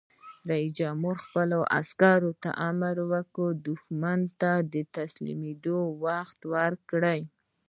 رئیس جمهور خپلو عسکرو ته امر وکړ؛ دښمن ته د تسلیمېدو وخت ورکړئ!